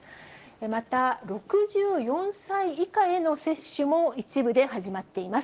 また、６４歳以下への接種も、一部で始まっています。